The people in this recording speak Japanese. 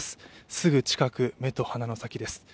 すぐ近く、目と鼻の先です。